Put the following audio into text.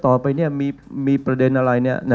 ต่อไปมีประเด็นอะไร